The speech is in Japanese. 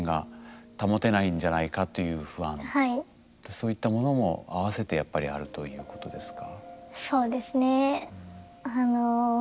そういったものも合わせてやっぱりあるということですか？